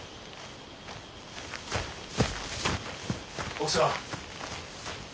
奥さん。